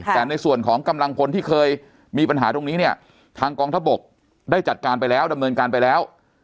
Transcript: แต่ในส่วนของกำลังพลที่เคยมีปัญหาตรงนี้เนี่ยทางกองทบกได้จัดการไปแล้วดำเนินการไปแล้ว